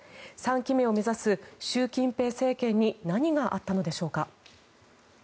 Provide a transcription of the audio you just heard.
３期目を目指す習近平政権に何があったのでしょうか。